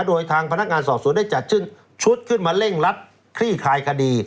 โดยทางพนักงานสอบสวนได้จัดชุดขึ้นมาเร่งรัดคลี่คลายคดี